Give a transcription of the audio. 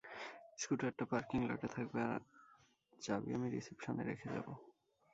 স্কুটারটা parking লটে থাকবে আর চাবি আমি রিসিপশনে রেখে যাব।